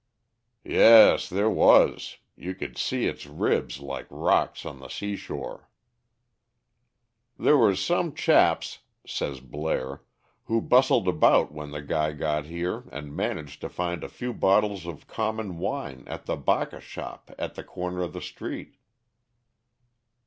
"Yes, there was; you could see its ribs like rocks on the sea shore." "There were some chaps," says Blaire, "who bustled about when they got here and managed to find a few bottles of common wine at the bacca shop at the corner of the street."